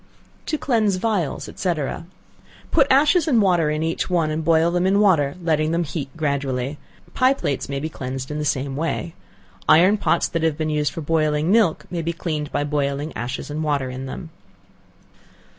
To Cleanse Vials, &c. Put ashes and water in each one, and boil them in water, letting them heat gradually. Pie plates may be cleansed in the same way. Iron pots that have been used for boiling milk, may be cleaned by boiling ashes and water in them.